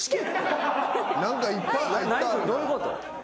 どういうこと？